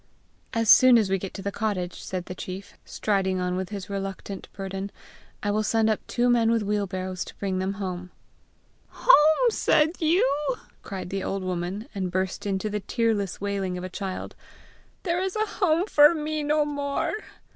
"As soon as we get to the cottage," said the chief, striding on with his reluctant burden, "I will send up two men with wheelbarrows to bring them home." "HOME, said you?" cried the old woman, and burst into the tearless wailing of a child; "there is a home for me no more!